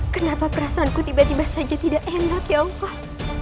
kenapa perasaanku tiba tiba saja tidak enak ya allah